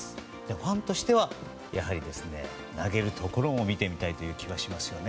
ファンとしては投げるところも見てみたい気がしますよね。